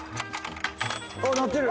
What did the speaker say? あっ鳴ってる！